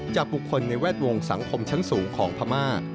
จากบุคคลในแวดวงสังคมชั้นสูงของพม่า